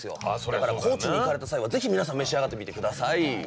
だから高知に行かれた際は是非皆さん召し上がってみて下さい。